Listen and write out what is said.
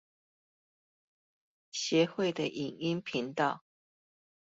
協會的影音頻道